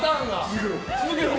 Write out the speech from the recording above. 続けろ。